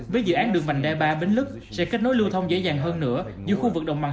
với dự án đường vành đai ba bến lức sẽ kết nối lưu thông dễ dàng hơn nữa giữa khu vực đồng bằng